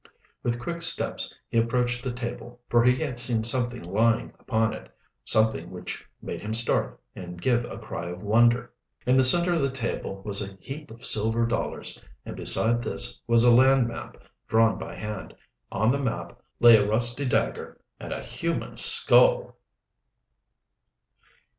With quick steps he approached the table, for he had seen something lying upon it something which made him start and give a cry of wonder. In the center of the table was a heap of silver dollars, and beside this was a land map, drawn by hand. On the map lay a rusty dagger and a human skull!